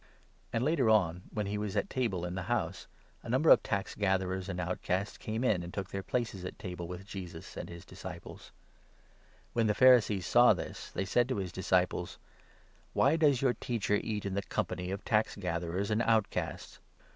And, later on, when he was at table in the 10 Jesus blamed . for his house, a number or tax gatherers and outcasts companions. caiTie in and took their places at table with Jesus and his disciples. When the Pharisees saw this, they n sa"id to his disciples : "Why does your Teacher eat in the company of tax Sitherers and outcasts